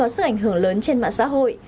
cụ bà đã có sự ảnh hưởng lớn trên mạng xã hội